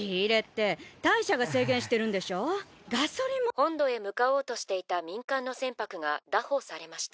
本土へ向かおうとしていた民間の船舶が拿捕されました。